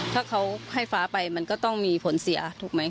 ถ้าเขาให้ฟ้าไปมันก็ต้องมีผลเสียถูกไหม